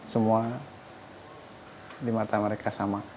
semua di mata mereka sama